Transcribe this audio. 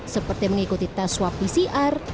seperti mengikuti tes swab pcr